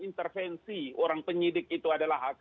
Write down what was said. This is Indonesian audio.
intervensi orang penyidik itu adalah hak